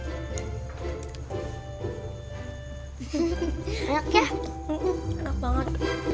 oh ini enak banget